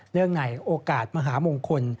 เนื่องในโอกาสมหามงคล